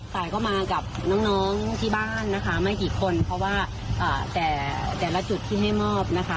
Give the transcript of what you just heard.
ตายก็มากับน้องที่บ้านนะคะไม่กี่คนเพราะว่าแต่ละจุดที่ให้มอบนะคะ